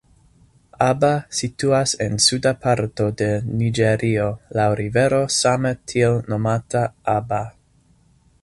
Aba situas en suda parto de Niĝerio laŭ rivero same tiel nomata Aba.